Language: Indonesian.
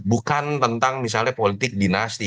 bukan tentang misalnya politik dinasti